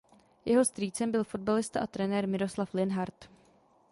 Jeho strýcem byl fotbalista a trenér Miroslav Linhart.